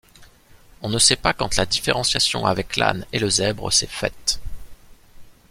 On ne sait pas quand la différenciation avec l'âne et le zèbre s'est faite.